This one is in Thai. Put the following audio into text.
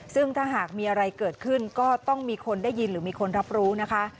ซึ่งถ้าหากมีอะไรเกิดขึ้นก็ต้องมีคนได้ยินหรือมีคนรับรู้นะคะ